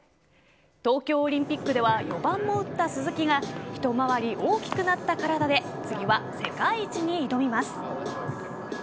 東京オリンピックでは４番も打った鈴木が一回り大きくなった体で次は世界一に挑みます。